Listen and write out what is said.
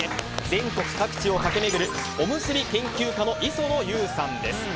全国各地を駆け巡るおむすび研究家の磯野ユウさんです。